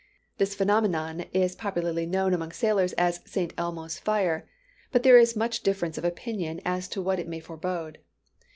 This phenomenon is popularly known among sailors as "St. Elmo's fire;" but there is much difference of opinion as to what it may forebode.